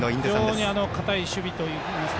非常に堅い守備といいますか。